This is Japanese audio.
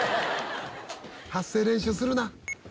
「発声練習するな」